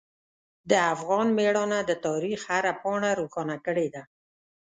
د افغان میړانه د تاریخ هره پاڼه روښانه کړې ده.